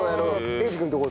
英二君のとこ